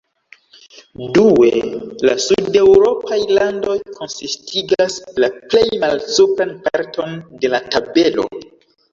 Due, la sudeŭropaj landoj konsistigas la plej malsupran parton de la tabelo.